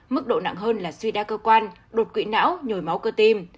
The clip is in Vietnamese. mức độ nặng hơn là suy đa cơ quan đột quỵ não nhồi máu cơ tim